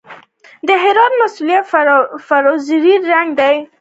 د هرات موسیلا د فیروزي رنګ ګنبد لري